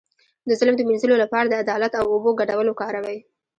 د ظلم د مینځلو لپاره د عدالت او اوبو ګډول وکاروئ